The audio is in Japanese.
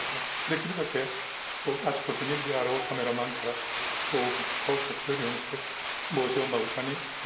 できるだけあちこちにいるであろうカメラマンからこう顔を隠せるようにして帽子を目深にかぶって。